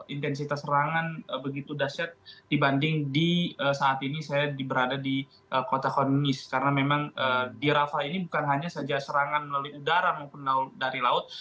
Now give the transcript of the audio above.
intensitas serangan begitu dasyat dibanding di saat ini saya berada di kota khonis karena memang di rafah ini bukan hanya saja serangan melalui udara maupun dari laut